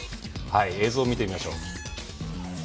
映像見てみましょう。